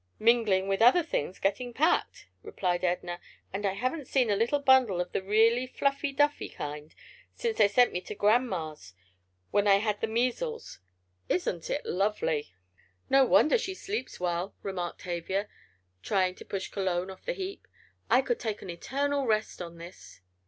"Mingling with other things getting packed!" replied Edna, "and I haven't seen a little bundle of the really fluffy duffy kind since they sent me to grandma's when I had the measles. Isn't it lovely?" "No wonder she sleeps well," remarked Tavia, trying to push Cologne off the heap. "I could take an eternal rest on this."